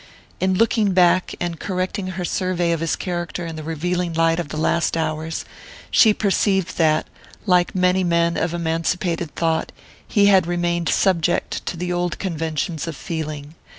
In looking back, and correcting her survey of his character in the revealing light of the last hours, she perceived that, like many men of emancipated thought, he had remained subject to the old conventions of feeling.